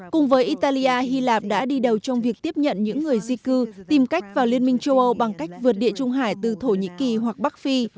cùng với italia hy lạp đã đi đầu trong việc tiếp nhận những người di cư tìm cách vào liên minh châu âu bằng cách vượt địa trung hải từ thổ nhĩ kỳ hoặc bắc phi